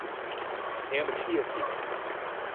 你係咪痴咗線啊？